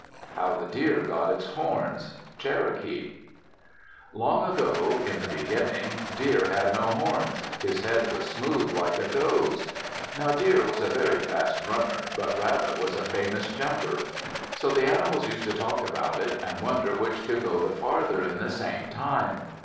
HOW THE DEER GOT HIS HORNS Cherokee Long ago, in the beginning, Deer had no horns. His head was smooth like a doe's. Now Deer was a very fast runner, but Rabbit was a famous jumper. So the animals used to talk about it and wonder which could go the farther in the same time.